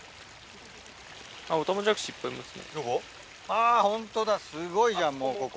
あぁホントだすごいじゃんもうここ。